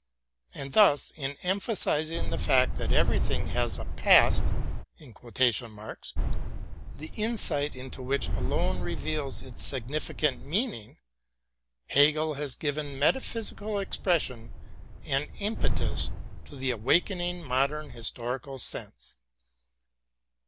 And thus in emphasizing the fact that everything has a ''past," the insight into which alone reveals its significant meaning, Hegel has given metaphysi cal expression and impetus to the awakening modern his torical sense.